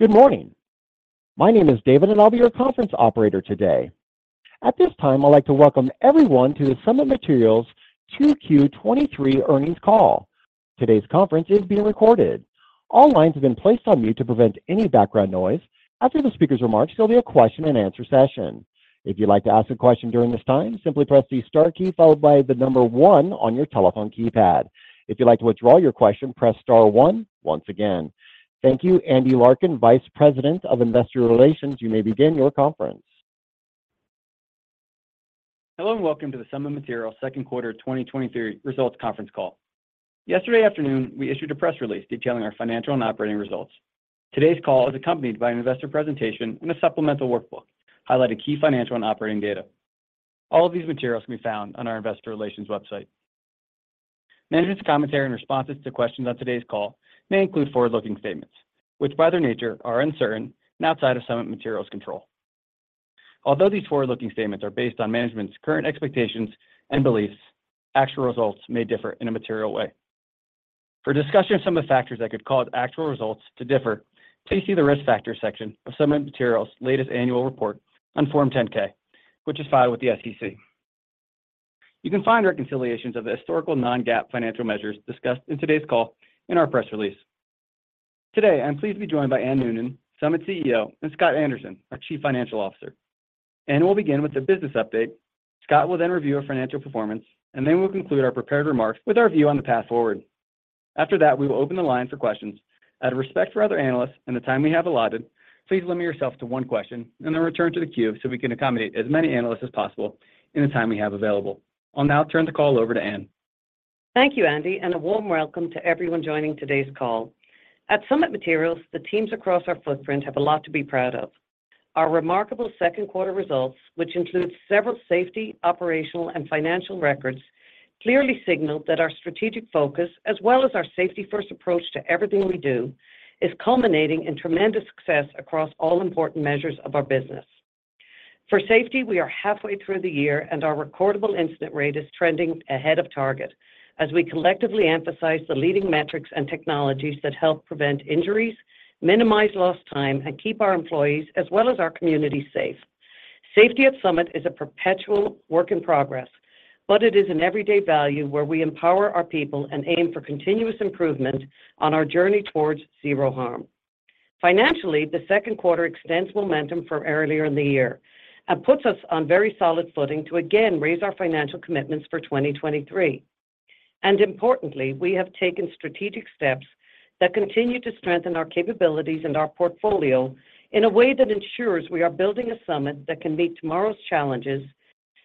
Good morning. My name is David, and I'll be your conference operator today. At this time, I'd like to welcome everyone to the Summit Materials Q2 2023 earnings call. Today's conference is being recorded. All lines have been placed on mute to prevent any background noise. After the speaker's remarks, there'll be a question-and-answer session. If you'd like to ask a question during this time, simply press the star key followed by the one on your telephone keypad. If you'd like to withdraw your question, press star one once again. Thank you, Andy Larkin, Vice President of Investor Relations. You may begin your conference. Hello, welcome to the Summit Materials second quarter 2023 results conference call. Yesterday afternoon, we issued a press release detailing our financial and operating results. Today's call is accompanied by an investor presentation and a supplemental workbook, highlighting key financial and operating data. All of these materials can be found on our investor relations website. Management's commentary and responses to questions on today's call may include forward-looking statements, which, by their nature, are uncertain and outside of Summit Materials' control. Although these forward-looking statements are based on management's current expectations and beliefs, actual results may differ in a material way. For a discussion of some of the factors that could cause actual results to differ, please see the Risk Factors section of Summit Materials' latest annual report on Form 10-K, which is filed with the SEC. You can find reconciliations of the historical non-GAAP financial measures discussed in today's call in our press release. Today, I'm pleased to be joined by Anne Noonan, Summit CEO, and Scott Anderson, our Chief Financial Officer. Anne will begin with a business update. Scott will then review our financial performance, and then we'll conclude our prepared remarks with our view on the path forward. After that, we will open the line for questions. Out of respect for other analysts and the time we have allotted, please limit yourself to one question, and then return to the queue, so we can accommodate as many analysts as possible in the time we have available. I'll now turn the call over to Anne. Thank you, Andy, and a warm welcome to everyone joining today's call. At Summit Materials, the teams across our footprint have a lot to be proud of. Our remarkable second quarter results, which includes several safety, operational, and financial records, clearly signal that our strategic focus, as well as our safety-first approach to everything we do, is culminating in tremendous success across all important measures of our business. For safety, we are halfway through the year, and our recordable incident rate is trending ahead of target as we collectively emphasize the leading metrics and technologies that help prevent injuries, minimize lost time, and keep our employees, as well as our community, safe. Safety at Summit is a perpetual work in progress, but it is an everyday value where we empower our people and aim for continuous improvement on our journey towards zero harm. Financially, the second quarter extends momentum from earlier in the year and puts us on very solid footing to again raise our financial commitments for 2023. Importantly, we have taken strategic steps that continue to strengthen our capabilities and our portfolio in a way that ensures we are building a Summit that can meet tomorrow's challenges,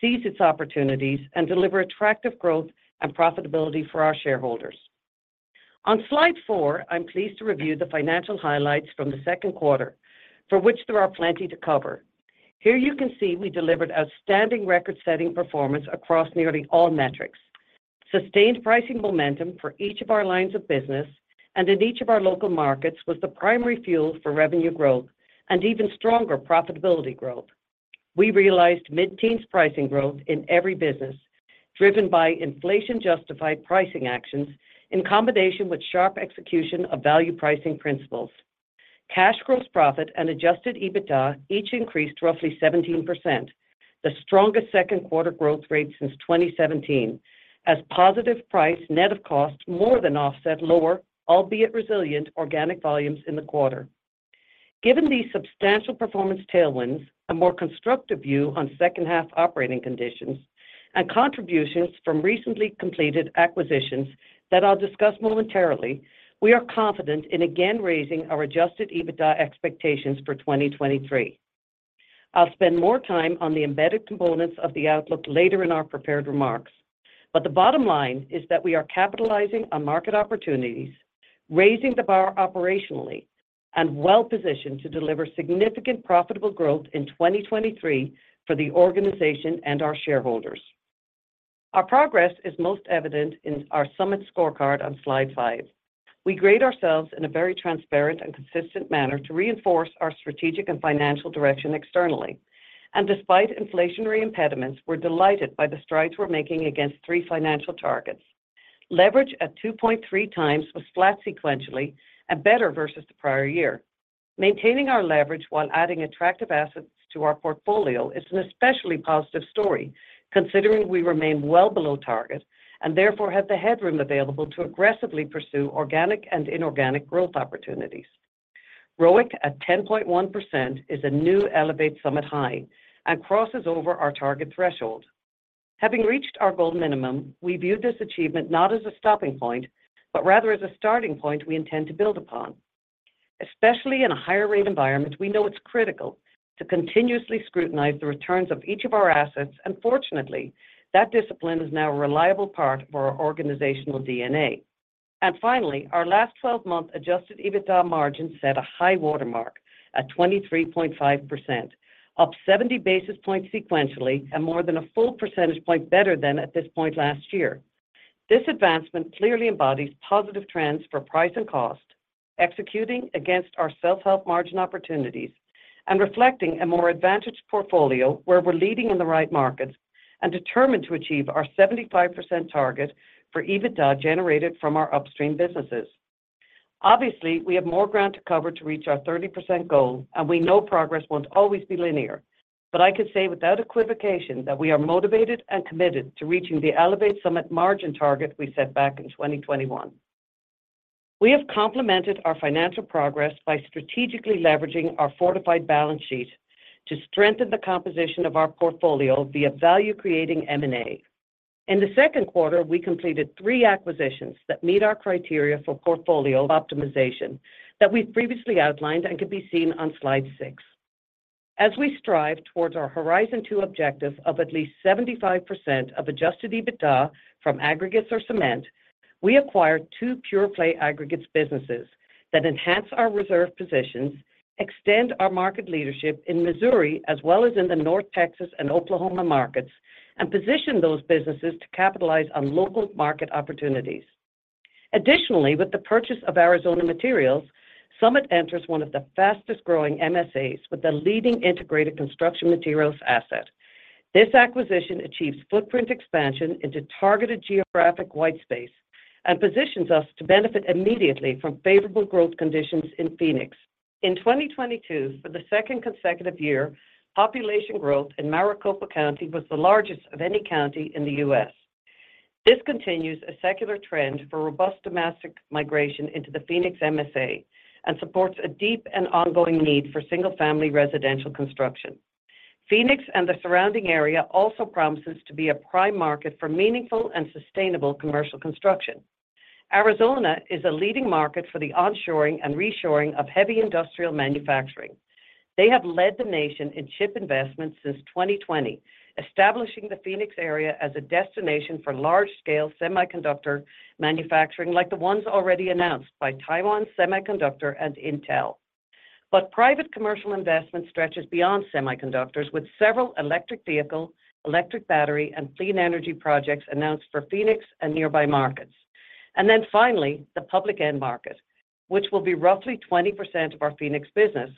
seize its opportunities, and deliver attractive growth and profitability for our shareholders. On Slide 4, I'm pleased to review the financial highlights from the second quarter, for which there are plenty to cover. Here you can see we delivered outstanding record-setting performance across nearly all metrics. Sustained pricing momentum for each of our lines of business and in each of our local markets was the primary fuel for revenue growth and even stronger profitability growth. We realized mid-teens pricing growth in every business, driven by inflation-justified pricing actions in combination with sharp execution of value pricing principles. Cash gross profit and adjusted EBITDA each increased roughly 17%, the strongest second quarter growth rate since 2017, as positive price net of cost more than offset lower, albeit resilient, organic volumes in the quarter. Given these substantial performance tailwinds, a more constructive view on second-half operating conditions and contributions from recently completed acquisitions that I'll discuss momentarily, we are confident in again raising our adjusted EBITDA expectations for 2023. The bottom line is that we are capitalizing on market opportunities, raising the bar operationally and well-positioned to deliver significant profitable growth in 2023 for the organization and our shareholders. Our progress is most evident in our Summit Scorecard on Slide 5. We grade ourselves in a very transparent and consistent manner to reinforce our strategic and financial direction externally, and despite inflationary impediments, we're delighted by the strides we're making against three financial targets. Leverage at 2.3x was flat sequentially and better versus the prior year. Maintaining our leverage while adding attractive assets to our portfolio is an especially positive story, considering we remain well below target and therefore have the headroom available to aggressively pursue organic and inorganic growth opportunities. ROIC at 10.1% is a new Elevate Summit high and crosses over our target threshold. Having reached our goal minimum, we view this achievement not as a stopping point, but rather as a starting point we intend to build upon. Especially in a higher rate environment, we know it's critical to continuously scrutinize the returns of each of our assets, and fortunately, that discipline is now a reliable part of our organizational DNA. Finally, our last twelve-month adjusted EBITDA margin set a high water mark at 23.5%, up 70 basis points sequentially and more than a full percentage point better than at this point last year. This advancement clearly embodies positive trends for price and cost, executing against our self-help margin opportunities, and reflecting a more advantaged portfolio, where we're leading in the right markets and determined to achieve our 75% target for EBITDA generated from our upstream businesses. Obviously, we have more ground to cover to reach our 30% goal, and we know progress won't always be linear. I can say without equivocation that we are motivated and committed to reaching the Elevate Summit margin target we set back in 2021. We have complemented our financial progress by strategically leveraging our fortified balance sheet to strengthen the composition of our portfolio via value-creating M&A. In the second quarter, we completed three acquisitions that meet our criteria for portfolio optimization, that we've previously outlined and can be seen on Slide 6. As we strive towards our Horizon 2 objective of at least 75% of adjusted EBITDA from aggregates or cement, we acquired two pure-play aggregates businesses that enhance our reserve positions, extend our market leadership in Missouri, as well as in the North Texas and Oklahoma markets, and position those businesses to capitalize on local market opportunities. Additionally, with the purchase of Arizona Materials, Summit enters one of the fastest-growing MSAs with a leading integrated construction materials asset. This acquisition achieves footprint expansion into targeted geographic white space and positions us to benefit immediately from favorable growth conditions in Phoenix. In 2022, for the second consecutive year, population growth in Maricopa County was the largest of any county in the U.S. This continues a secular trend for robust domestic migration into the Phoenix MSA and supports a deep and ongoing need for single-family residential construction. Phoenix and the surrounding area also promises to be a prime market for meaningful and sustainable commercial construction. Arizona is a leading market for the onshoring and reshoring of heavy industrial manufacturing. They have led the nation in chip investments since 2020, establishing the Phoenix area as a destination for large-scale semiconductor manufacturing, like the ones already announced by Taiwan Semiconductor and Intel. Private commercial investment stretches beyond semiconductors, with several electric vehicle, electric battery, and clean energy projects announced for Phoenix and nearby markets. Then finally, the public end market, which will be roughly 20% of our Phoenix business,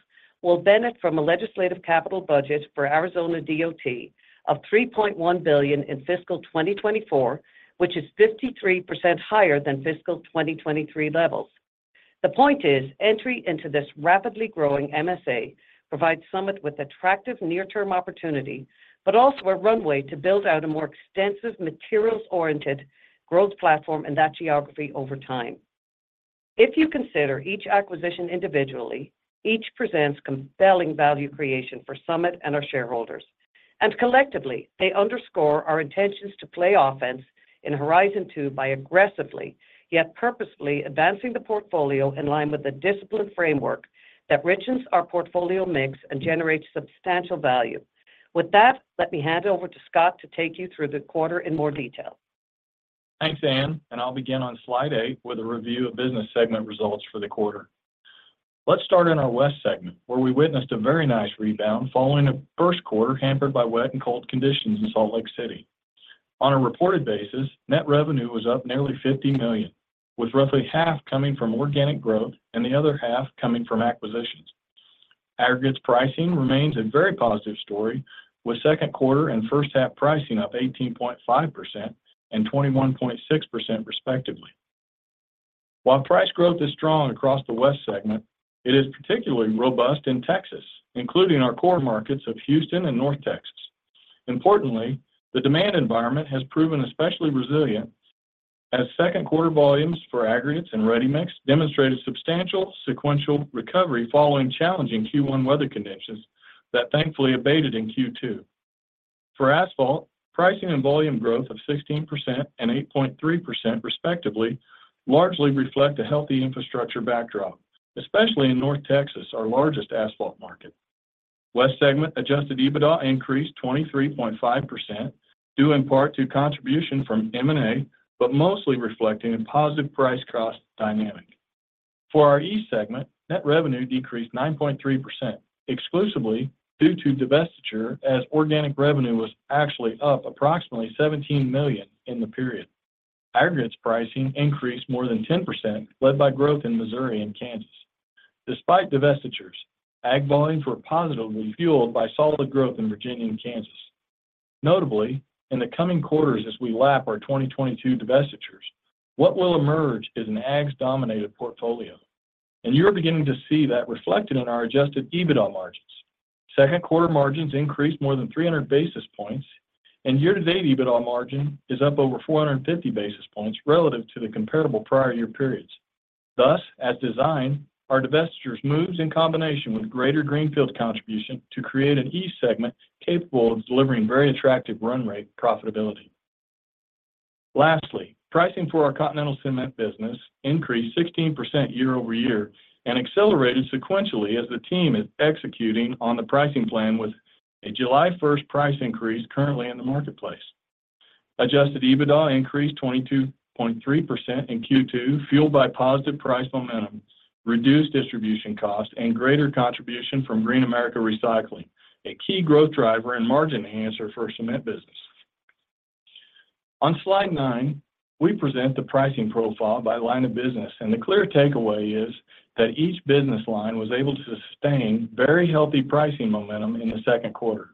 will benefit from a legislative capital budget for Arizona DOT of $3.1 billion in fiscal 2024, which is 53% higher than fiscal 2023 levels. The point is, entry into this rapidly growing MSA provides Summit with attractive near-term opportunity, but also a runway to build out a more extensive, materials-oriented growth platform in that geography over time. If you consider each acquisition individually, each presents compelling value creation for Summit and our shareholders. Collectively, they underscore our intentions to play offense in Horizon 2 by aggressively, yet purposefully, advancing the portfolio in line with a disciplined framework that richens our portfolio mix and generates substantial value. With that, let me hand it over to Scott to take you through the quarter in more detail. Thanks, Anne, I'll begin on Slide 8 with a review of business segment results for the quarter. Let's start in our West segment, where we witnessed a very nice rebound following a first quarter hampered by wet and cold conditions in Salt Lake City. On a reported basis, net revenue was up nearly $50 million, with roughly half coming from organic growth and the other half coming from acquisitions. Aggregates pricing remains a very positive story, with second quarter and first half pricing up 18.5% and 21.6% respectively. While price growth is strong across the West segment, it is particularly robust in Texas, including our core markets of Houston and North Texas. Importantly, the demand environment has proven especially resilient, as second quarter volumes for aggregates and ready-mix demonstrated substantial sequential recovery following challenging Q1 weather conditions that thankfully abated in Q2. For asphalt, pricing and volume growth of 16% and 8.3% respectively, largely reflect a healthy infrastructure backdrop, especially in North Texas, our largest asphalt market. West segment Adjusted EBITDA increased 23.5%, due in part to contribution from M&A, but mostly reflecting a positive price cost dynamic. For our East segment, net revenue decreased 9.3%, exclusively due to divestiture, as organic revenue was actually up approximately 17 million in the period. Aggregates pricing increased more than 10%, led by growth in Missouri and Kansas. Despite divestitures, agg volumes were positively fueled by solid growth in Virginia and Kansas. Notably, in the coming quarters as we lap our 2022 divestitures, what will emerge is an agg's-dominated portfolio, and you are beginning to see that reflected in our adjusted EBITDA margins. Second quarter margins increased more than 300 basis points, and year-to-date EBITDA margin is up over 450 basis points relative to the comparable prior year periods. Thus, as designed, our divestitures moves in combination with greater greenfield contribution to create an East segment capable of delivering very attractive run rate profitability. Lastly, pricing for our continental cement business increased 16% year over year and accelerated sequentially as the team is executing on the pricing plan with a July 1st price increase currently in the marketplace. Adjusted EBITDA increased 22.3% in Q2, fueled by positive price momentum, reduced distribution costs, and greater contribution from Green America Recycling, a key growth driver and margin enhancer for our cement business.... On Slide 9, we present the pricing profile by line of business, and the clear takeaway is that each business line was able to sustain very healthy pricing momentum in the second quarter.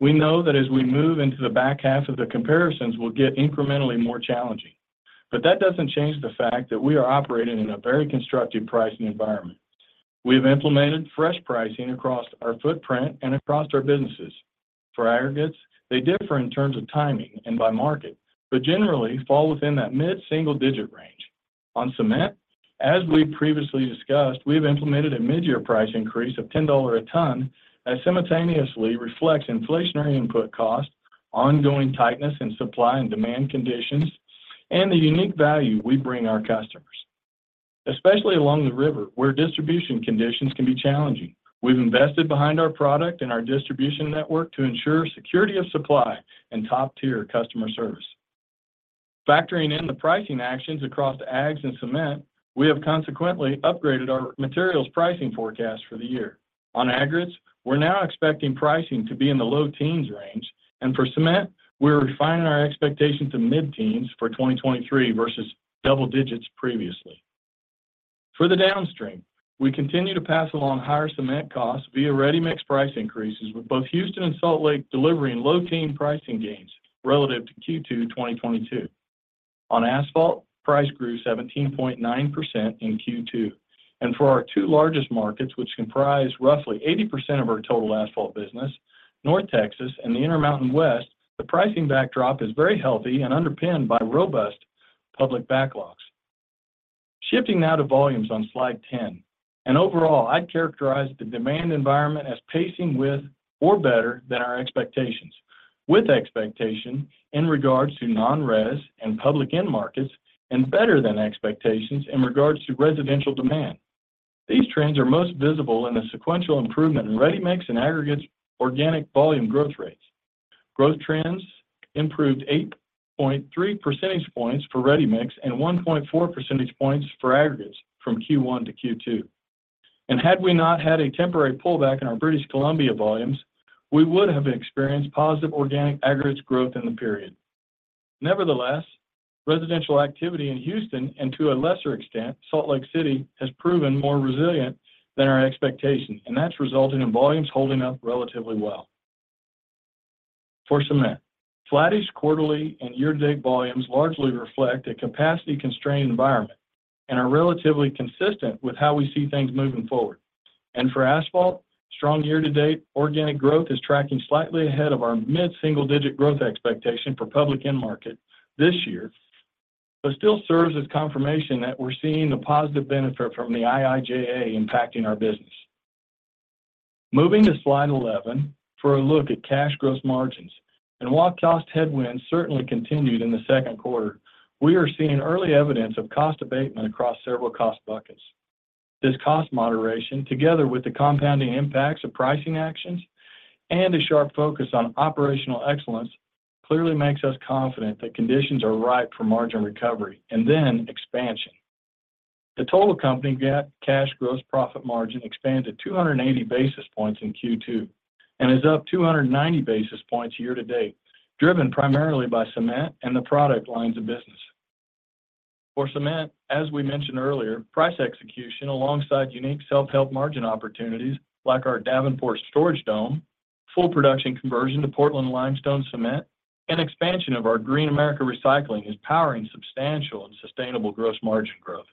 We know that as we move into the back half of the comparisons, we'll get incrementally more challenging. That doesn't change the fact that we are operating in a very constructive pricing environment. We have implemented fresh pricing across our footprint and across our businesses. For aggregates, they differ in terms of timing and by market, but generally fall within that mid-single-digit range. On cement, as we previously discussed, we have implemented a mid-year price increase of $10 a ton that simultaneously reflects inflationary input costs, ongoing tightness in supply and demand conditions, and the unique value we bring our customers. Especially along the river, where distribution conditions can be challenging. We've invested behind our product and our distribution network to ensure security of supply and top-tier customer service. Factoring in the pricing actions across the aggs and cement, we have consequently upgraded our materials pricing forecast for the year. On aggregates, we're now expecting pricing to be in the low teens range, and for cement, we're refining our expectation to mid-teens for 2023 versus double digits previously. For the downstream, we continue to pass along higher cement costs via ready-mix price increases, with both Houston and Salt Lake delivering low teen pricing gains relative to Q2 2022. On asphalt, price grew 17.9% in Q2, and for our two largest markets, which comprise roughly 80% of our total asphalt business, North Texas and the Intermountain West, the pricing backdrop is very healthy and underpinned by robust public backlogs. Shifting now to volumes on Slide 10, overall, I'd characterize the demand environment as pacing with or better than our expectations, with expectation in regards to non-res and public end markets, and better than expectations in regards to residential demand. These trends are most visible in the sequential improvement in ready-mix and aggregates organic volume growth rates. Growth trends improved 8.3 percentage points for ready-mix and 1.4 percentage points for aggregates from Q1 to Q2. Had we not had a temporary pullback in our British Columbia volumes, we would have experienced positive organic aggregates growth in the period. Nevertheless, residential activity in Houston, and to a lesser extent, Salt Lake City, has proven more resilient than our expectations, and that's resulting in volumes holding up relatively well. For cement, flattish quarterly and year-to-date volumes largely reflect a capacity-constrained environment and are relatively consistent with how we see things moving forward. For asphalt, strong year-to-date organic growth is tracking slightly ahead of our mid-single-digit growth expectation for public end market this year, but still serves as confirmation that we're seeing the positive benefit from the IIJA impacting our business. Moving to Slide 11 for a look at cash gross profit. While cost headwinds certainly continued in the second quarter, we are seeing early evidence of cost abatement across several cost buckets. This cost moderation, together with the compounding impacts of pricing actions and a sharp focus on operational excellence, clearly makes us confident that conditions are ripe for margin recovery and then expansion. The total company GAAP cash gross profit margin expanded 280 basis points in Q2 and is up 290 basis points year to date, driven primarily by cement and the product lines of business. For cement, as we mentioned earlier, price execution alongside unique self-help margin opportunities like our Davenport storage dome, full production conversion to Portland limestone cement, and expansion of our Green America Recycling is powering substantial and sustainable gross margin growth.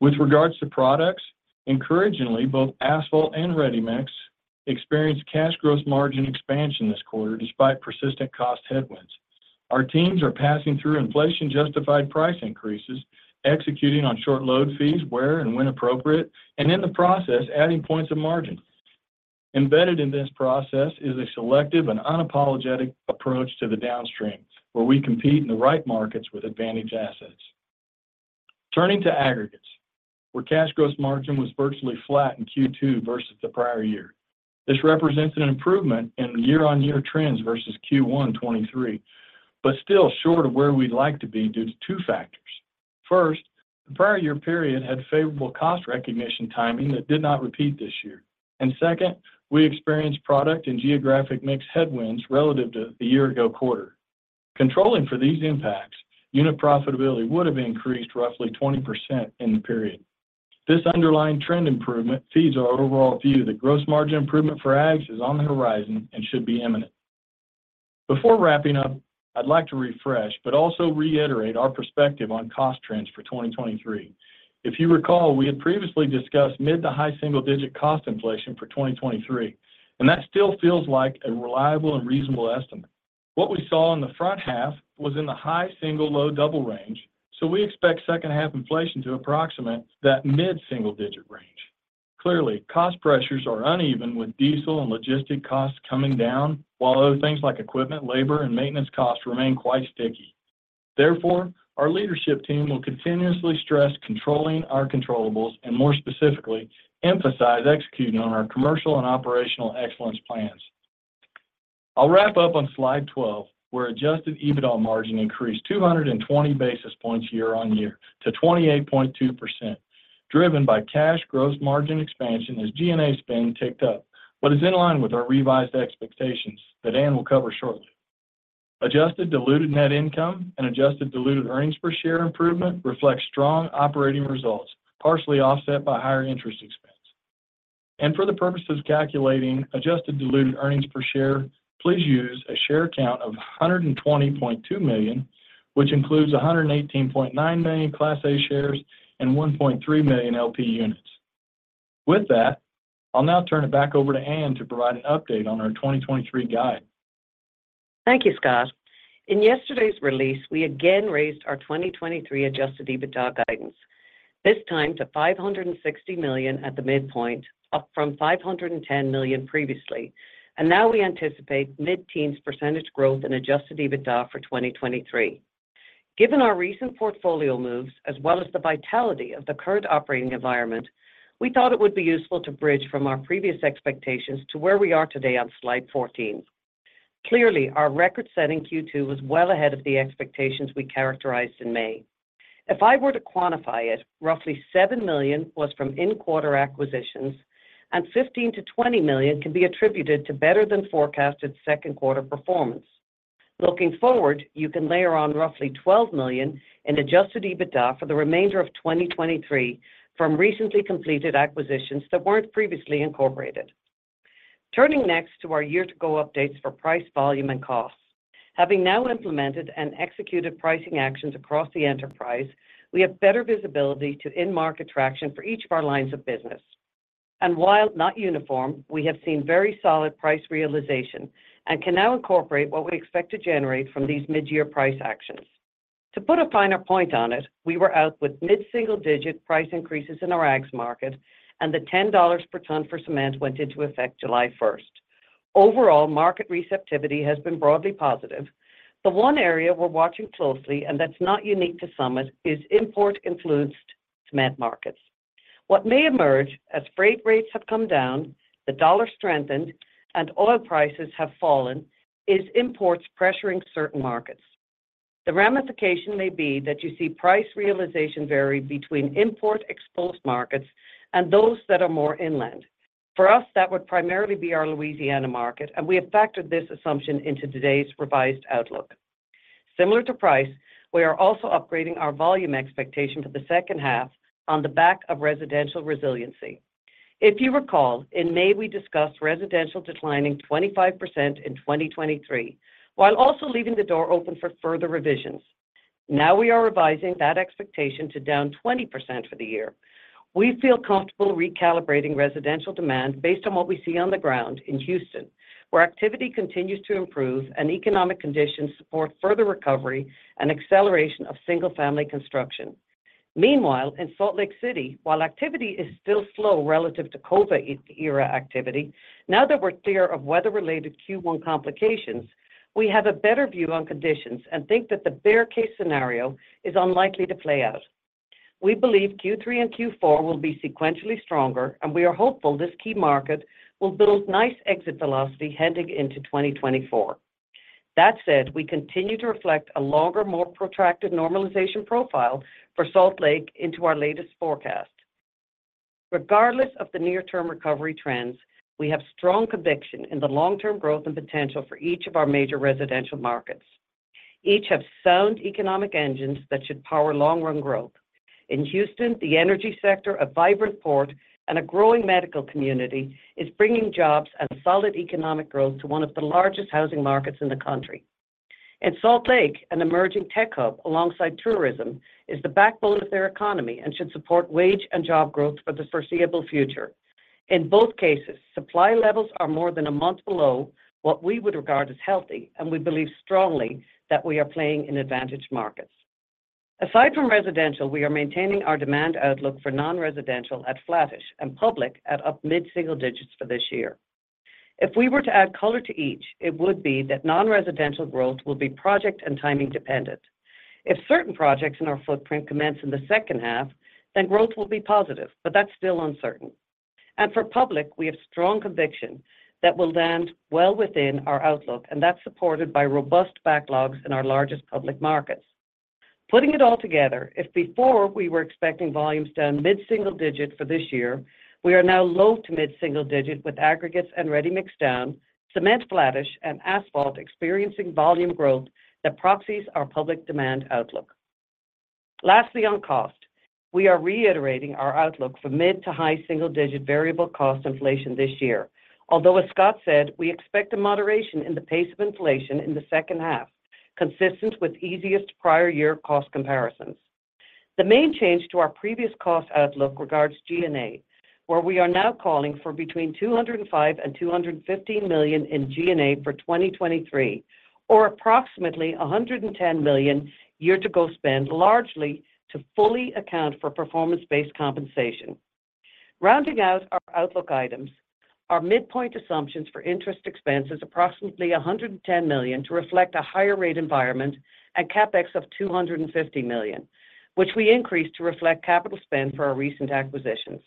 With regards to products, encouragingly, both asphalt and ready-mix experienced cash gross margin expansion this quarter despite persistent cost headwinds. Our teams are passing through inflation-justified price increases, executing on short load fees where and when appropriate, and in the process, adding points of margin. Embedded in this process is a selective and unapologetic approach to the downstream, where we compete in the right markets with advantaged assets. Turning to aggregates, where cash gross margin was virtually flat in Q2 versus the prior year. This represents an improvement in year-on-year trends versus Q1 2023. Still short of where we'd like to be due to two factors. First, the prior year period had favorable cost recognition timing that did not repeat this year. Second, we experienced product and geographic mix headwinds relative to the year ago quarter. Controlling for these impacts, unit profitability would have increased roughly 20% in the period. This underlying trend improvement feeds our overall view that gross margin improvement for aggs is on the horizon and should be imminent. Before wrapping up, I'd like to refresh but also reiterate our perspective on cost trends for 2023. If you recall, we had previously discussed mid- to high-single digit cost inflation for 2023, and that still feels like a reliable and reasonable estimate. What we saw in the front half was in the high-single, low-double range, we expect second half inflation to approximate that mid-single digit range. Clearly, cost pressures are uneven, with diesel and logistic costs coming down, while other things like equipment, labor, and maintenance costs remain quite sticky. Therefore, our leadership team will continuously stress controlling our controllables and more specifically, emphasize executing on our commercial and operational excellence plans. I'll wrap up on Slide 12, where adjusted EBITDA margin increased 220 basis points year-over-year to 28.2%, driven by cash gross margin expansion as G&A spend ticked up. Is in line with our revised expectations that Anne will cover shortly. Adjusted diluted net income and adjusted diluted earnings per share improvement reflects strong operating results, partially offset by higher interest expense. For the purposes of calculating adjusted diluted earnings per share, please use a share count of 120.2 million, which includes 118.9 million Class A shares and 1.3 million LP units. With that, I'll now turn it back over to Anne to provide an update on our 2023 guide. Thank you, Scott. In yesterday's release, we again raised our 2023 adjusted EBITDA guidance, this time to $560 million at the midpoint, up from $510 million previously. Now we anticipate mid-teens percentage growth in adjusted EBITDA for 2023. Given our recent portfolio moves, as well as the vitality of the current operating environment, we thought it would be useful to bridge from our previous expectations to where we are today on Slide 14. Clearly, our record-setting Q2 was well ahead of the expectations we characterized in May. If I were to quantify it, roughly $7 million was from in-quarter acquisitions, and $15 million-$20 million can be attributed to better than forecasted second quarter performance. Looking forward, you can layer on roughly $12 million in adjusted EBITDA for the remainder of 2023 from recently completed acquisitions that weren't previously incorporated. Turning next to our year-to-go updates for price, volume, and costs. Having now implemented and executed pricing actions across the enterprise, we have better visibility to in-market traction for each of our lines of business. While not uniform, we have seen very solid price realization and can now incorporate what we expect to generate from these mid-year price actions. To put a finer point on it, we were out with mid-single-digit price increases in our aggs market, and the $10 per ton for cement went into effect July 1st. Overall, market receptivity has been broadly positive. The one area we're watching closely, and that's not unique to Summit, is import-influenced cement markets. What may emerge as freight rates have come down, the dollar strengthened, and oil prices have fallen, is imports pressuring certain markets. The ramification may be that you see price realization vary between import-exposed markets and those that are more inland. For us, that would primarily be our Louisiana market. We have factored this assumption into today's revised outlook. Similar to price, we are also upgrading our volume expectation for the second half on the back of residential resiliency. If you recall, in May, we discussed residential declining 25% in 2023, while also leaving the door open for further revisions. Now we are revising that expectation to down 20% for the year. We feel comfortable recalibrating residential demand based on what we see on the ground in Houston, where activity continues to improve and economic conditions support further recovery and acceleration of single-family construction. Meanwhile, in Salt Lake City, while activity is still slow relative to COVID e-era activity, now that we're clear of weather-related Q1 complications, we have a better view on conditions and think that the bear case scenario is unlikely to play out. We believe Q3 and Q4 will be sequentially stronger, and we are hopeful this key market will build nice exit velocity heading into 2024. That said, we continue to reflect a longer, more protracted normalization profile for Salt Lake into our latest forecast. Regardless of the near-term recovery trends, we have strong conviction in the long-term growth and potential for each of our major residential markets. Each have sound economic engines that should power long-run growth. In Houston, the energy sector, a vibrant port, and a growing medical community is bringing jobs and solid economic growth to one of the largest housing markets in the country. In Salt Lake, an emerging tech hub alongside tourism, is the backbone of their economy and should support wage and job growth for the foreseeable future. In both cases, supply levels are more than a month below what we would regard as healthy, and we believe strongly that we are playing in advantage markets. Aside from residential, we are maintaining our demand outlook for non-residential at flattish and public at up mid-single digits for this year. If we were to add color to each, it would be that non-residential growth will be project and timing dependent. If certain projects in our footprint commence in the second half, then growth will be positive, but that's still uncertain. For public, we have strong conviction that we'll land well within our outlook, and that's supported by robust backlogs in our largest public markets. Putting it all together, if before we were expecting volumes down mid-single digit for this year, we are now low to mid-single digit, with aggregates and ready-mix down, cement flattish, and asphalt experiencing volume growth that proxies our public demand outlook. Lastly, on cost, we are reiterating our outlook for mid to high single-digit variable cost inflation this year. As Scott said, we expect a moderation in the pace of inflation in the second half, consistent with easiest prior year cost comparisons. The main change to our previous cost outlook regards G&A, where we are now calling for between $205 million and $250 million in G&A for 2023, or approximately $110 million year-to-go spend, largely to fully account for performance-based compensation. Rounding out our outlook items, our midpoint assumptions for interest expense is approximately $110 million to reflect a higher rate environment and CapEx of $250 million, which we increased to reflect capital spend for our recent acquisitions.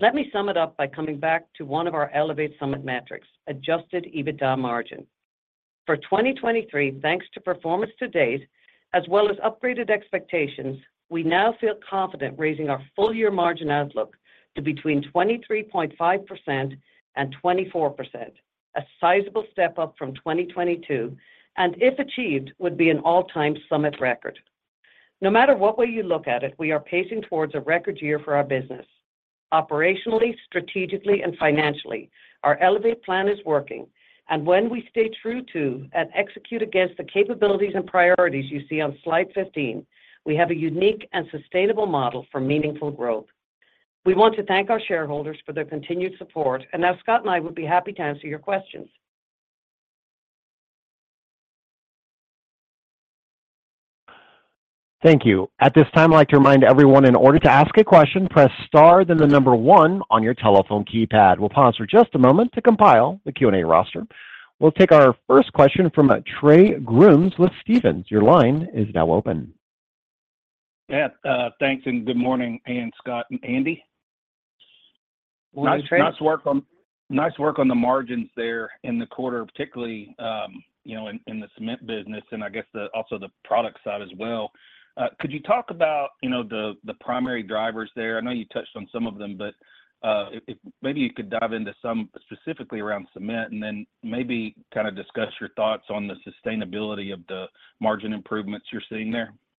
Let me sum it up by coming back to one of our Elevate Summit metrics, adjusted EBITDA margin. For 2023, thanks to performance to date, as well as upgraded expectations, we now feel confident raising our full-year margin outlook to between 23.5% and 24%, a sizable step up from 2022, and if achieved, would be an all-time Summit record. No matter what way you look at it, we are pacing towards a record year for our business. Operationally, strategically, and financially, our Elevate plan is working, and when we stay true to and execute against the capabilities and priorities you see on Slide 15, we have a unique and sustainable model for meaningful growth. We want to thank our shareholders for their continued support. Now Scott and I would be happy to answer your questions. Thank you. At this time, I'd like to remind everyone, in order to ask a question, press Star, then the one on your telephone keypad. We'll pause for just a moment to compile the Q&A roster. We'll take our first question from, Trey Grooms with Stephens. Your line is now open. Yeah, thanks, and good morning, Anne, Scott, and Andy. Hi, Trey. Nice, nice work on, nice work on the margins there in the quarter, particularly, you know, in, in the cement business, and I guess the, also the product side as well. Could you talk about, you know, the, the primary drivers there? I know you touched on some of them, but, if, if maybe you could dive into some specifically around cement and then maybe kinda discuss your thoughts on the sustainability of the margin improvements you're seeing there. Yeah,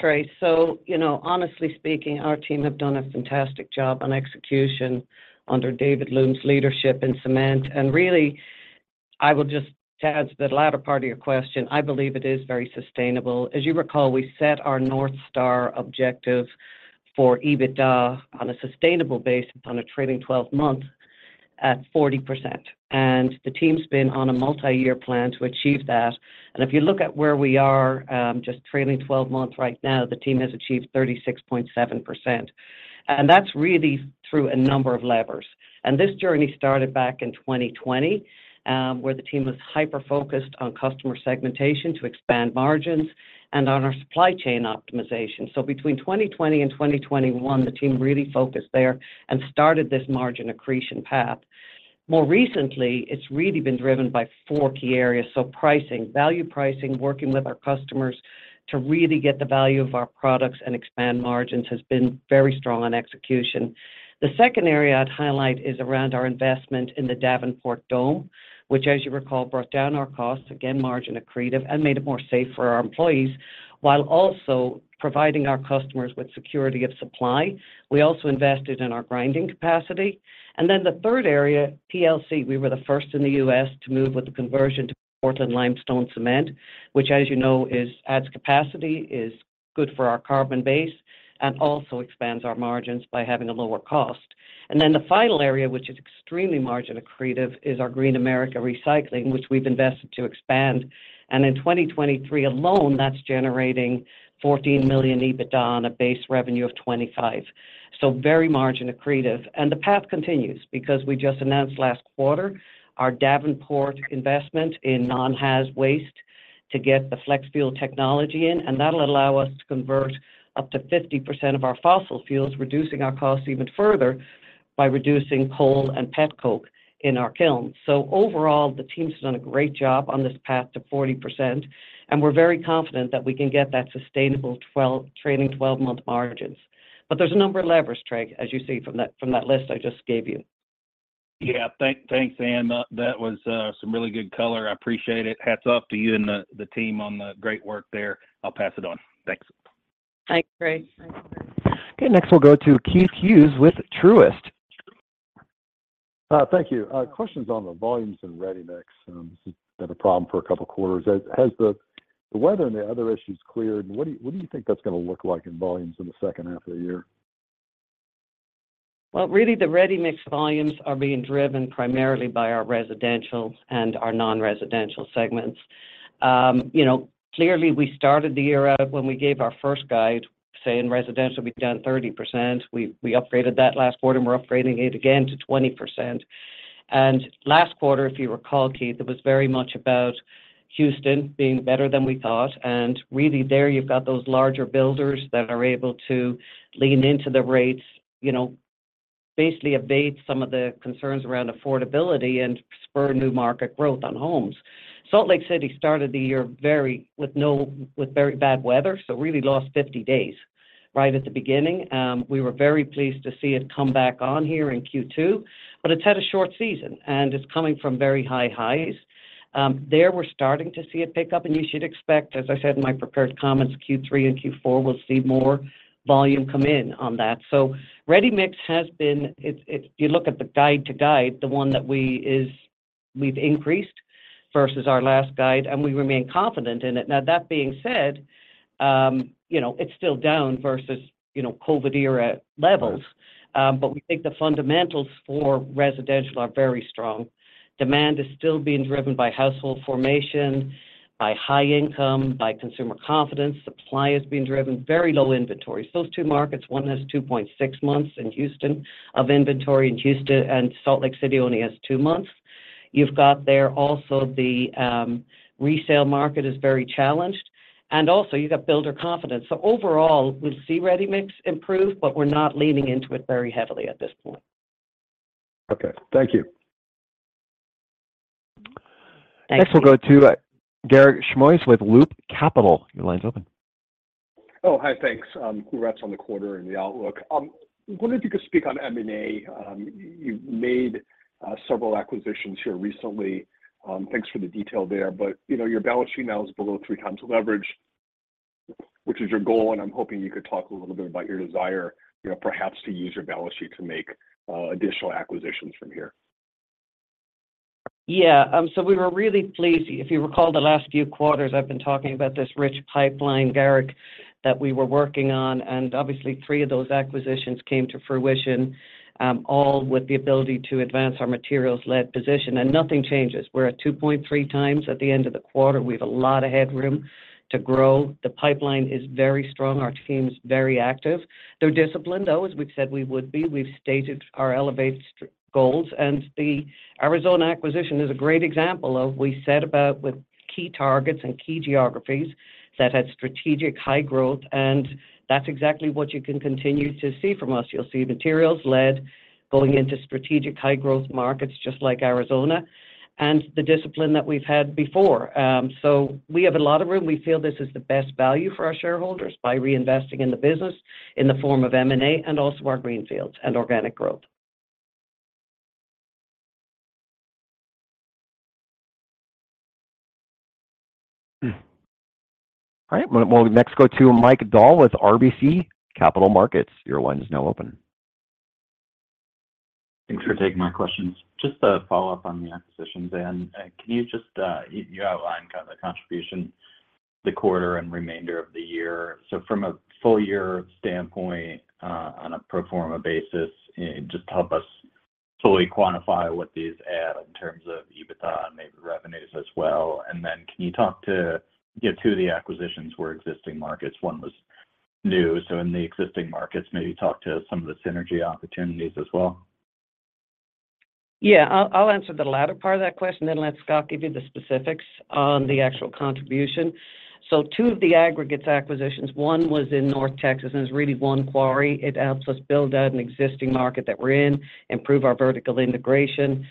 Trey. You know, honestly speaking, our team have done a fantastic job on execution under David Loomes leadership in cement. Really, I will just to add to the latter part of your question, I believe it is very sustainable. As you recall, we set our North Star objective for EBITDA on a sustainable basis on a trailing twelve month at 40%, and the team's been on a multi-year plan to achieve that. If you look at where we are, just trailing twelve months right now, the team has achieved 36.7%, and that's really through a number of levers. This journey started back in 2020, where the team was hyper-focused on customer segmentation to expand margins and on our supply chain optimization. Between 2020 and 2021, the team really focused there and started this margin accretion path. More recently, it's really been driven by four key areas. Pricing, value pricing, working with our customers to really get the value of our products and expand margins, has been very strong on execution. The second area I'd highlight is around our investment in the Davenport Dome, which, as you recall, brought down our costs, again, margin accretive, and made it more safe for our employees, while also providing our customers with security of supply. We also invested in our grinding capacity. The third area, PLC, we were the first in the U.S. to move with the conversion to Portland limestone cement, which, as you know, adds capacity, is good for our carbon base, and also expands our margins by having a lower cost. Then the final area, which is extremely margin accretive, is our Green America Recycling, which we've invested to expand. In 2023 alone, that's generating $14 million EBITDA on a base revenue of $25 million. Very margin accretive, and the path continues because we just announced last quarter our Davenport investment in non-haz waste to get the flex fuel technology in, and that'll allow us to convert up to 50% of our fossil fuels, reducing our costs even further by reducing coal and petcoke in our kiln. Overall, the team has done a great job on this path to 40%, and we're very confident that we can get that sustainable trailing twelve-month margins. There's a number of levers, Trey, as you see from that, from that list I just gave you. Yeah. Thank, thanks, Anne. That was some really good color. I appreciate it. Hats off to you and the, the team on the great work there. I'll pass it on. Thanks. Thanks, Trey. Okay, next we'll go to Keith Hughes with Truist. Thank you. Questions on the volumes in ready-mix. This has been a problem for a couple of quarters. Has, has the, the weather and the other issues cleared, and what do you, what do you think that's gonna look like in volumes in the second half of the year? Well, really, the ready-mix volumes are being driven primarily by our residential and our non-residential segments. You know, clearly, we started the year out when we gave our first guide, saying residential, we've done 30%. We, we upgraded that last quarter, and we're upgrading it again to 20%. Last quarter, if you recall, Keith, it was very much about Houston being better than we thought, and really there, you've got those larger builders that are able to lean into the rates, you know, basically abate some of the concerns around affordability and spur new market growth on homes. Salt Lake City started the year very, with very bad weather, so really lost 50 days right at the beginning. We were very pleased to see it come back on here in Q2, but it's had a short season, and it's coming from very high highs. There, we're starting to see it pick up, and you should expect, as I said in my prepared comments, Q3 and Q4 will see more volume come in on that. Ready-mix has been, it's, it's if you look at the guide to guide, the one that we, is we've increased versus our last guide, and we remain confident in it. Now, that being said, you know, it's still down versus, you know, COVID-era levels, but we think the fundamentals for residential are very strong. Demand is still being driven by household formation, by high income, by consumer confidence. Supply is being driven, very low inventories. Those two markets, one has 2.6 months in Houston, of inventory in Houston, and Salt Lake City only has two months. You've got there also the resale market is very challenged, and also you got builder confidence. Overall, we'll see ready-mix improve, but we're not leaning into it very heavily at this point. Okay. Thank you. Thank you. Next, we'll go to Garik Shmois with Loop Capital. Your line is open. Hi, thanks. Congrats on the quarter and the outlook. Wondered if you could speak on M&A. You've made several acquisitions here recently. Thanks for the detail there, but, you know, your balance sheet now is below 3x leverage, which is your goal, and I'm hoping you could talk a little bit about your desire, you know, perhaps to use your balance sheet to make additional acquisitions from here. We were really pleased. If you recall, the last few quarters, I've been talking about this rich pipeline, Garik, that we were working on, obviously, three of those acquisitions came to fruition, all with the ability to advance our materials-led position, nothing changes. We're at 2.3x at the end of the quarter. We've a lot of headroom to grow. The pipeline is very strong, our team's very active. They're disciplined, though, as we've said we would be. We've stated our Elevate Summit goals, the Arizona acquisition is a great example of we set about with key targets and key geographies that had strategic high growth, that's exactly what you can continue to see from us. You'll see materials-led going into strategic high-growth markets, just like Arizona, the discipline that we've had before. We have a lot of room. We feel this is the best value for our shareholders by reinvesting in the business in the form of M&A, and also our greenfields and organic growth. All right. Well, we'll next go to Mike Dahl with RBC Capital Markets. Your line is now open. Thanks for taking my questions. Just a follow-up on the acquisitions. Can you just, you outlined kind of the contribution, the quarter and remainder of the year. From a full year standpoint, on a pro forma basis, just help us fully quantify what these add in terms of EBITDA and maybe revenues as well? Then can you talk to. Yeah, two of the acquisitions were existing markets, one was new. In the existing markets, maybe talk to some of the synergy opportunities as well? Yeah, I'll, I'll answer the latter part of that question, then let Scott give you the specifics on the actual contribution. Two of the aggregates acquisitions, one was in North Texas, and it's really one quarry. It helps us build out an existing market that we're in, improve our vertical integration.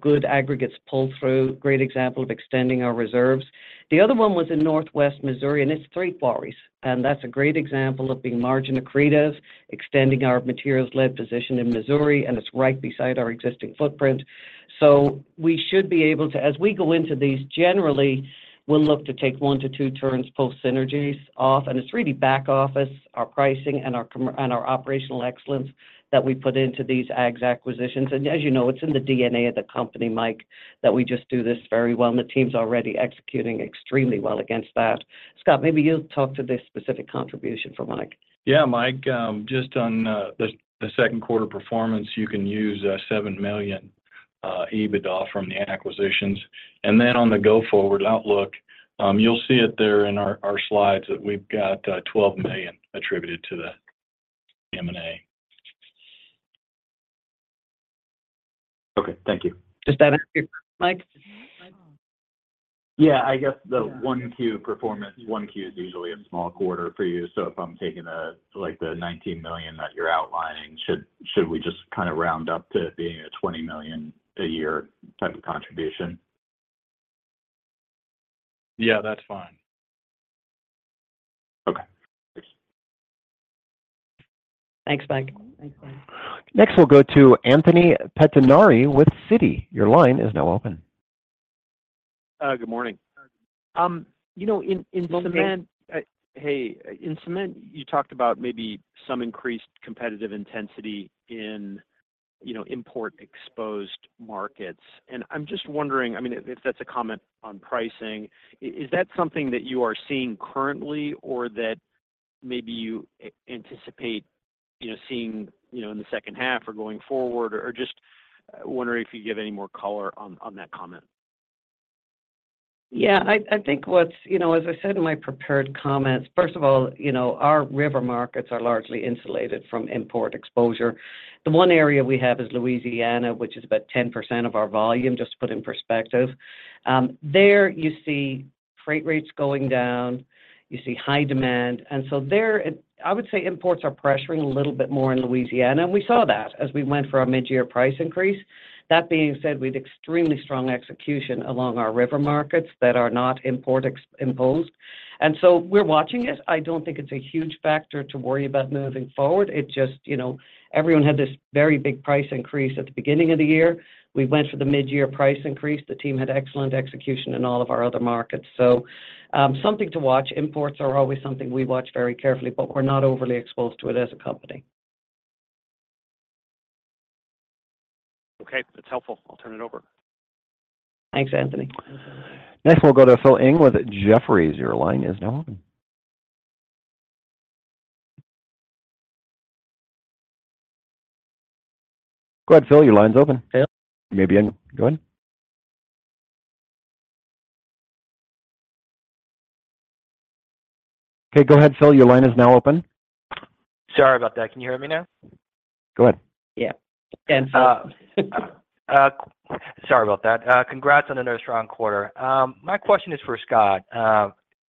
Good aggregates pull through, great example of extending our reserves. The other one was in Northwest Missouri, and it's three quarries, and that's a great example of being margin accretive, extending our materials-led position in Missouri, and it's right beside our existing footprint. We should be able to, as we go into these, generally, we'll look to take 1-2x turns, pull synergies off, and it's really back office, our pricing and our operational excellence that we put into these agg acquisitions. As you know, it's in the DNA of the company, Mike, that we just do this very well, and the team's already executing extremely well against that. Scott, maybe you'll talk to the specific contribution for Mike. Yeah, Mike, just on the second quarter performance, you can use $7 million EBITDA from the acquisitions. On the go-forward outlook, you'll see it there in our slides that we've got $12 million attributed to the M&A. Okay, thank you. Does that answer your question, Mike? Yeah, I guess the. Yeah... 1Q performance, 1Q is usually a small quarter for you. So if I'm taking, like, the $19 million that you're outlining, should we just kind of round up to it being a $20 million a year type of contribution? Yeah, that's fine. Okay, thanks. Thanks, Mike. Next, we'll go to Anthony Pettinari with Citi. Your line is now open. Good morning. You know, in, in cement- Good morning. Hey, in cement, you talked about maybe some increased competitive intensity in, you know, import-exposed markets. I'm just wondering, I mean, if that's a comment on pricing, is that something that you are seeing currently or that maybe you anticipate, you know, seeing, you know, in the second half or going forward, or just wondering if you could give any more color on that comment? Yeah, I, I think what's... You know, as I said in my prepared comments, first of all, you know, our river markets are largely insulated from import exposure. The one area we have is Louisiana, which is about 10% of our volume, just to put in perspective. There, you see freight rates going down, you see high demand. There, I would say imports are pressuring a little bit more in Louisiana, and we saw that as we went for our mid-year price increase. That being said, we had extremely strong execution along our river markets that are not import imposed, and so we're watching it. I don't think it's a huge factor to worry about moving forward. It just, you know, everyone had this very big price increase at the beginning of the year. We went for the mid-year price increase. The team had excellent execution in all of our other markets. Something to watch. Imports are always something we watch very carefully, but we're not overly exposed to it as a company. Okay, that's helpful. I'll turn it over. Thanks, Anthony. Next, we'll go to Phil Ng with Jefferies. Your line is now open. Go ahead, Phil, your line's open. Yeah. Maybe in. Go ahead. Okay, go ahead, Phil. Your line is now open. Sorry about that. Can you hear me now? Go ahead. Yeah. So, Sorry about that. Congrats on another strong quarter. My question is for Scott.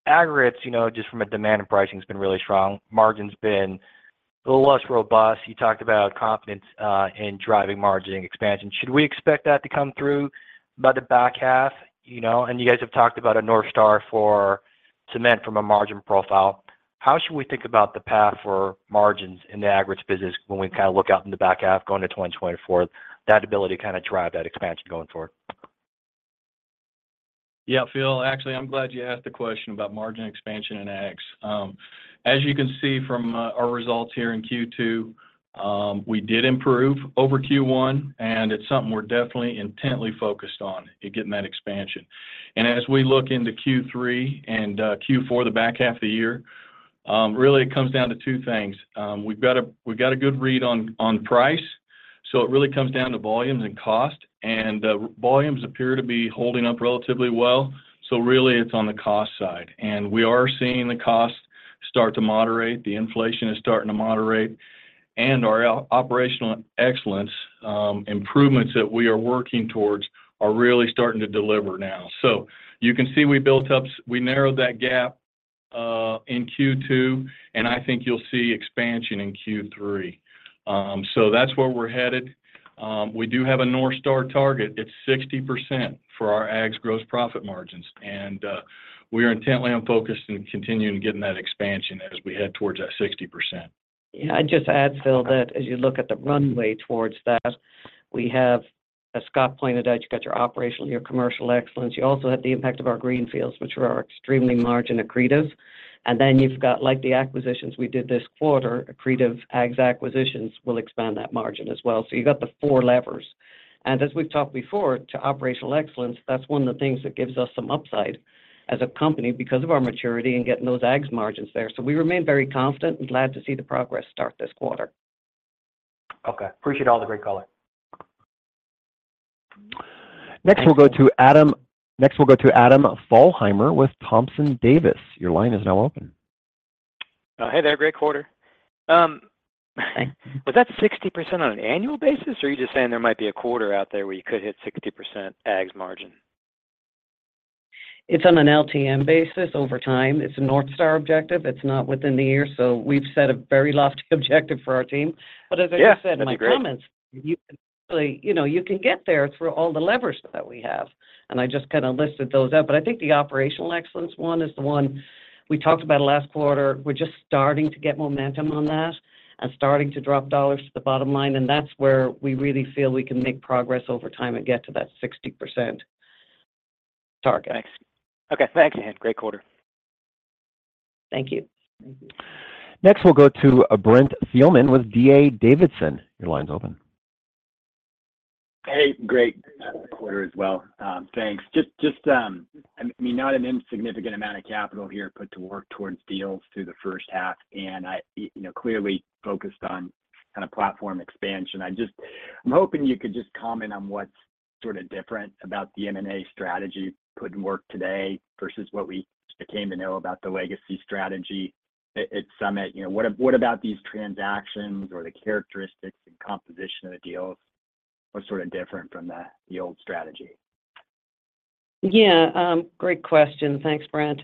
Aggregates, you know, just from a demand and pricing has been really strong. Margin's been-... A little less robust. You talked about confidence in driving margin expansion. Should we expect that to come through by the back half? You know, you guys have talked about a North Star for cement from a margin profile. How should we think about the path for margins in the aggregates business when we kind of look out in the back half, going to 2024, that ability to kind of drive that expansion going forward? Yeah, Phil, actually, I'm glad you asked the question about margin expansion in aggs. As you can see from our results here in Q2, we did improve over Q1, and it's something we're definitely intently focused on, in getting that expansion. As we look into Q3 and Q4, the back half of the year, really it comes down to two things. We've got a good read on price, so it really comes down to volumes and cost, and volumes appear to be holding up relatively well. Really, it's on the cost side, and we are seeing the cost start to moderate. The inflation is starting to moderate, and our operational excellence improvements that we are working towards are really starting to deliver now. You can see, we built up, we narrowed that gap in Q2, and I think you'll see expansion in Q3. That's where we're headed. We do have a North Star target. It's 60% for our aggs gross profit margins, and we are intently on focus and continuing getting that expansion as we head towards that 60%. Yeah, I'd just add, Phil, that as you look at the runway towards that, we have, as Scott pointed out, you've got your operational, your commercial excellence. You also have the impact of our greenfields, which are extremely margin accretive, and then you've got, like, the acquisitions we did this quarter. Accretive aggs acquisitions will expand that margin as well. You've got the four levers. As we've talked before, to operational excellence, that's one of the things that gives us some upside as a company because of our maturity in getting those aggs margins there. We remain very confident and glad to see the progress start this quarter. Okay. Appreciate all the great color. Next, we'll go to Adam Thalhimer with Thompson Davis. Your line is now open. Hey there. Great quarter. Was that 60% on an annual basis, or are you just saying there might be a quarter out there where you could hit 60% aggs margin? It's on an LTM basis over time. It's a North Star objective. It's not within the year. We've set a very lofty objective for our team. Yeah, that's great. As I said in my comments, you can really... You know, you can get there through all the levers that we have, and I just kind of listed those out. I think the operational excellence one is the one we talked about last quarter. We're just starting to get momentum on that and starting to drop dollars to the bottom line, and that's where we really feel we can make progress over time and get to that 60% target. Thanks. Okay, thanks. Great quarter. Thank you. Next, we'll go to, Brent Thielman with D.A. Davidson. Your line's open. Hey, great quarter as well. thanks. Just, I mean, not an insignificant amount of capital here put to work towards deals through the first half, and I, you know, clearly focused on kind of platform expansion. I'm hoping you could just comment on what's sort of different about the M&A strategy put in work today versus what we came to know about the legacy strategy at Summit. You know, what, what about these transactions or the characteristics and composition of the deals are sort of different from the, the old strategy? Yeah, great question. Thanks, Brent.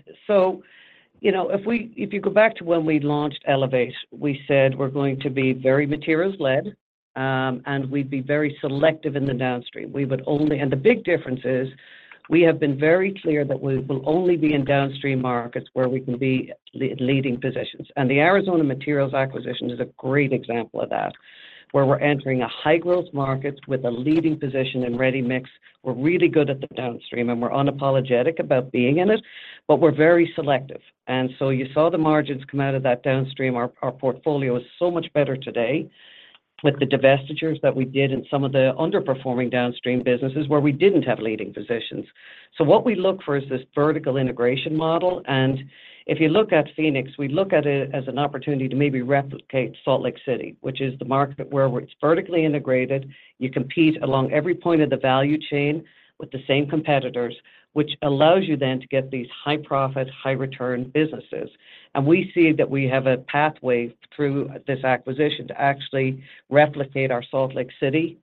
You know, if you go back to when we launched Elevate, we said we're going to be very materials-led, and we'd be very selective in the downstream. The big difference is, we have been very clear that we will only be in downstream markets where we can be leading positions. The Arizona Materials acquisition is a great example of that, where we're entering a high-growth market with a leading position in ready-mix. We're really good at the downstream, and we're unapologetic about being in it, but we're very selective. You saw the margins come out of that downstream. Our portfolio is so much better today with the divestitures that we did in some of the underperforming downstream businesses where we didn't have leading positions. What we look for is this vertical integration model. If you look at Phoenix, we look at it as an opportunity to maybe replicate Salt Lake City, which is the market where it's vertically integrated. You compete along every point of the value chain with the same competitors, which allows you then to get these high-profit, high-return businesses. We see that we have a pathway through this acquisition to actually replicate our Salt Lake City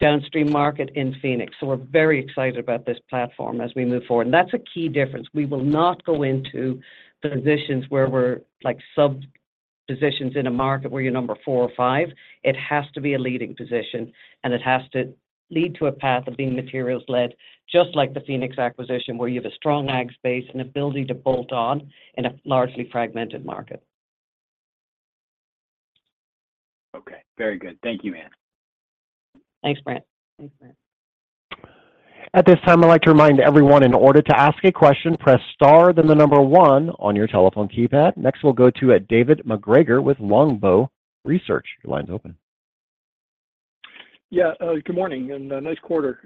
downstream market in Phoenix. We're very excited about this platform as we move forward, and that's a key difference. We will not go into positions where we're, like, sub-positions in a market where you're number four or five. It has to be a leading position, and it has to lead to a path of being materials-led, just like the Phoenix acquisition, where you have a strong aggs base and ability to bolt on in a largely fragmented market. Okay, very good. Thank you, Anne. Thanks, Brent. Thanks, Brent. At this time, I'd like to remind everyone, in order to ask a question, press star, then the 1 on your telephone keypad. Next, we'll go to David MacGregor with Longbow Research. Your line's open. Yeah, good morning, and nice quarter.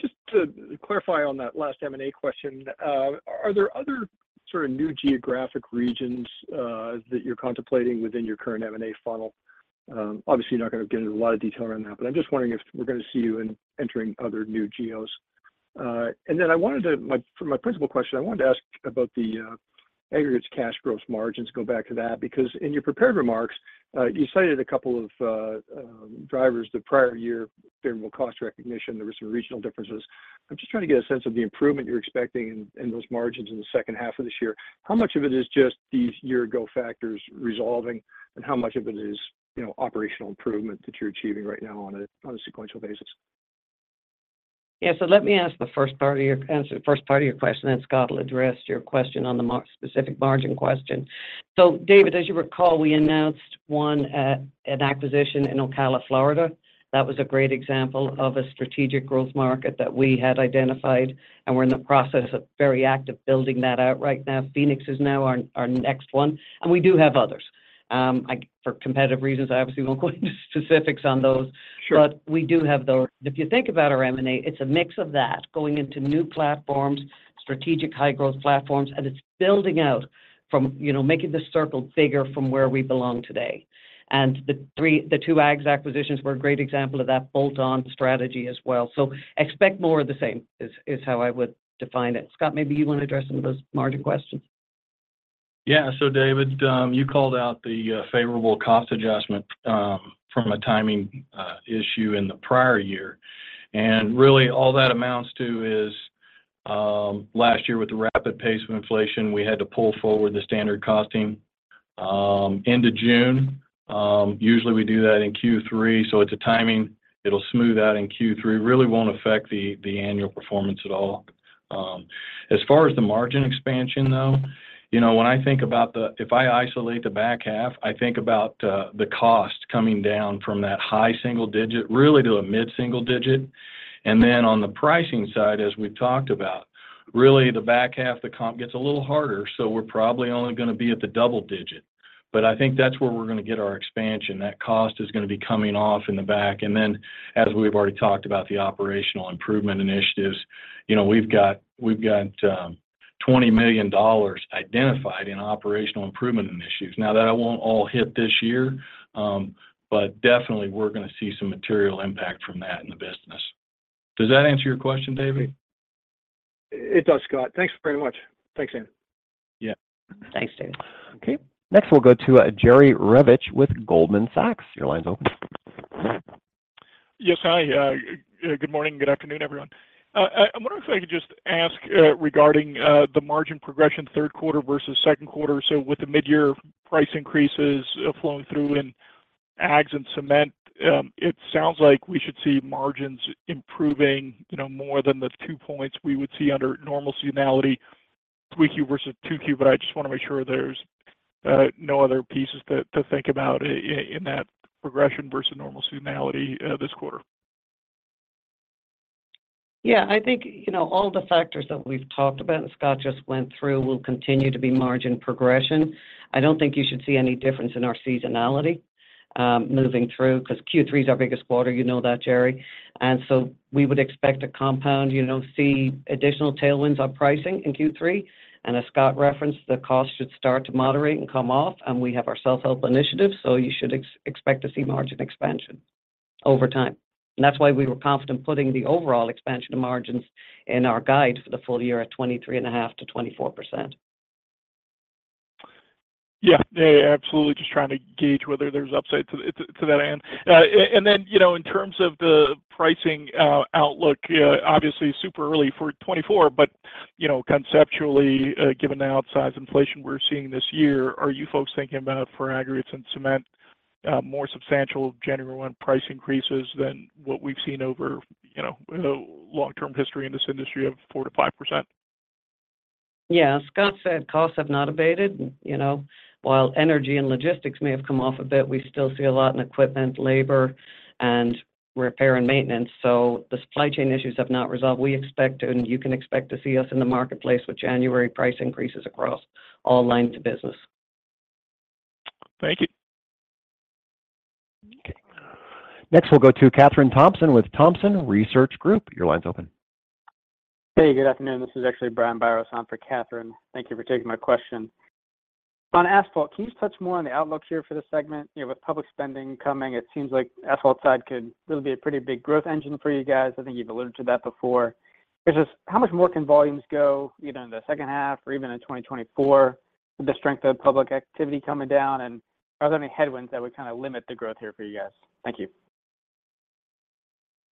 Just to clarify on that last M&A question, are there other sort of new geographic regions that you're contemplating within your current M&A funnel? Obviously, you're not gonna get into a lot of detail around that, but I'm just wondering if we're gonna see you in entering other new geos. Then I wanted to, my, for my principal question, I wanted to ask about the aggregates cash gross margins, go back to that, because in your prepared remarks, you cited a couple of drivers the prior year, favorable cost recognition. There were some regional differences. I'm just trying to get a sense of the improvement you're expecting in, in those margins in the second half of this year. How much of it is just these year-ago factors resolving, and how much of it is, you know, operational improvement that you're achieving right now on a, on a sequential basis? Let me answer the first part of your question, then Scott will address your specific margin question. David, as you recall, we announced one, an acquisition in Ocala, Florida. That was a great example of a strategic growth market that we had identified, and we're in the process of very active building that out right now. Phoenix is now our, our next one, and we do have others. I, for competitive reasons, I obviously won't go into specifics on those. Sure. We do have those. If you think about our M&A, it's a mix of that, going into new platforms, strategic high-growth platforms, and it's building out from, you know, making the circle bigger from where we belong today. The two aggs acquisitions were a great example of that bolt-on strategy as well. Expect more of the same, is how I would define it. Scott, maybe you want to address some of those margin questions? David, you called out the favorable cost adjustment from a timing issue in the prior year. Really, all that amounts to is last year, with the rapid pace of inflation, we had to pull forward the standard costing into June. Usually we do that in Q3, so it's a timing. It'll smooth out in Q3. Really won't affect the annual performance at all. As far as the margin expansion, though, you know, when I think about if I isolate the back half, I think about the cost coming down from that high-single-digit, really to a mid-single-digit. Then on the pricing side, as we've talked about, really, the back half, the comp gets a little harder, so we're probably only gonna be at the double-digit. I think that's where we're gonna get our expansion. That cost is gonna be coming off in the back. As we've already talked about the operational improvement initiatives, you know, we've got, we've got $20 million identified in operational improvement initiatives. Now, that won't all hit this year, but definitely we're gonna see some material impact from that in the business. Does that answer your question, David? It does, Scott. Thanks very much. Thanks, Anne. Yeah. Thanks, David. Okay. Next, we'll go to, Jerry Revich with Goldman Sachs. Your line's open. Hi, good morning, good afternoon, everyone. I wonder if I could just ask regarding the margin progression, third quarter versus second quarter. With the midyear price increases flowing through in aggs and cement, it sounds like we should see margins improving, you know, more than the two points we would see under normal seasonality, 3Q versus 2Q. I just wanna make sure there's no other pieces to think about in that progression versus normal seasonality this quarter. Yeah. I think, you know, all the factors that we've talked about, and Scott just went through, will continue to be margin progression. I don't think you should see any difference in our seasonality, moving through, because Q3 is our biggest quarter. You know that, Jerry. We would expect to compound, you know, see additional tailwinds on pricing in Q3. As Scott referenced, the cost should start to moderate and come off, and we have our self-help initiative, so you should expect to see margin expansion over time. That's why we were confident putting the overall expansion of margins in our guide for the full year at 23.5%-24%. Yeah, yeah, absolutely. Just trying to gauge whether there's upside to that end. And then, you know, in terms of the pricing outlook, obviously, super early for 2024, but, you know, conceptually, given the outsized inflation we're seeing this year, are you folks thinking about for aggregates and cement more substantial January 1 price increases than what we've seen over, you know, long-term history in this industry of 4%-5%? Yeah. Scott said costs have not abated. You know, while energy and logistics may have come off a bit, we still see a lot in equipment, labor, and repair and maintenance, so the supply chain issues have not resolved. We expect, and you can expect to see us in the marketplace with January price increases across all lines of business. Thank you. Okay. Next, we'll go to Kathryn Thompson with Thompson Research Group. Your line's open. Hey, good afternoon. This is actually Brian Biros on for Kathryn. Thank you for taking my question. On asphalt, can you touch more on the outlook here for this segment? You know, with public spending coming, it seems like asphalt side could really be a pretty big growth engine for you guys. I think you've alluded to that before. It's just, how much more can volumes go, either in the second half or even in 2024, with the strength of public activity coming down, and are there any headwinds that would kinda limit the growth here for you guys? Thank you.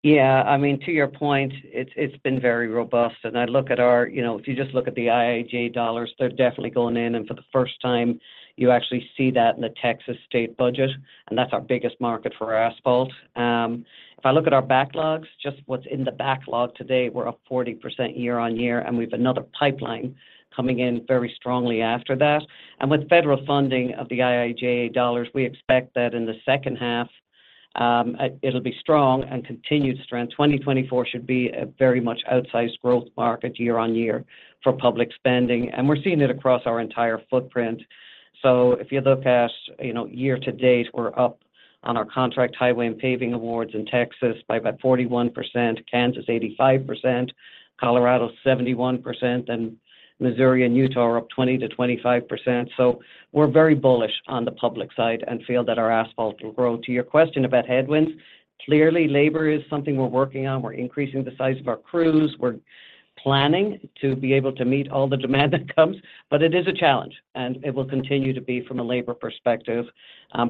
Yeah. I mean, to your point, it's, it's been very robust, and I look at our... You know, if you just look at the IIJA dollars, they're definitely going in, and for the first time, you actually see that in the Texas state budget, and that's our biggest market for asphalt. If I look at our backlogs, just what's in the backlog today, we're up 40% year-over-year, and we've another pipeline coming in very strongly after that. With federal funding of the IIJA dollars, we expect that in the second half, it'll be strong and continued strength. 2024 should be a very much outsized growth market year-over-year for public spending, and we're seeing it across our entire footprint. If you look at, you know, year to date, we're up on our contract highway and paving awards in Texas by about 41%, Kansas, 85%, Colorado, 71%, and Missouri and Utah are up 20%-25%. We're very bullish on the public side and feel that our asphalt will grow. To your question about headwinds, clearly, labor is something we're working on. We're increasing the size of our crews. We're planning to be able to meet all the demand that comes, but it is a challenge, and it will continue to be from a labor perspective.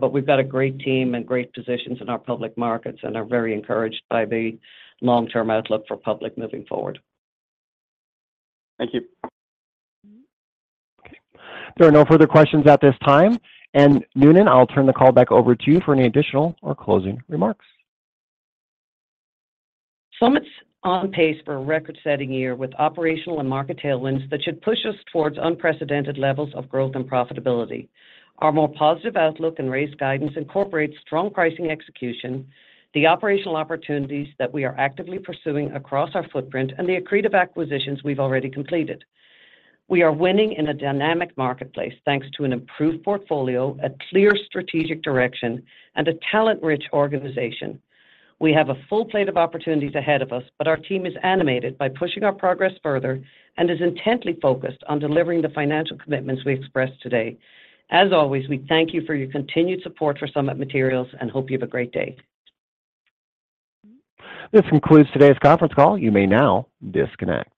But we've got a great team and great positions in our public markets and are very encouraged by the long-term outlook for public moving forward. Thank you. Okay. There are no further questions at this time. Noonan, I'll turn the call back over to you for any additional or closing remarks. Summit's on pace for a record-setting year, with operational and market tailwinds that should push us towards unprecedented levels of growth and profitability. Our more positive outlook and raised guidance incorporates strong pricing execution, the operational opportunities that we are actively pursuing across our footprint, and the accretive acquisitions we've already completed. We are winning in a dynamic marketplace, thanks to an improved portfolio, a clear strategic direction, and a talent-rich organization. We have a full plate of opportunities ahead of us, but our team is animated by pushing our progress further and is intently focused on delivering the financial commitments we expressed today. As always, we thank you for your continued support for Summit Materials and hope you have a great day. This concludes today's conference call. You may now disconnect.